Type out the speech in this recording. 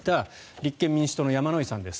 立憲民主党の山井さんです。